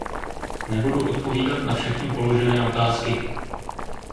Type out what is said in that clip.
Nebudu odpovídat na všechny položené otázky.